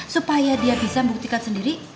supaya dia bisa membuktikan sendiri